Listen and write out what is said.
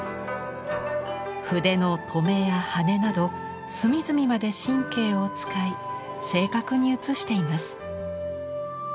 筆の止めやハネなど隅々まで神経を使い正確に写しています。